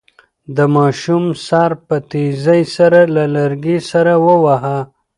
د ماشوم سر په تېزۍ سره له لرګي سره وواهه.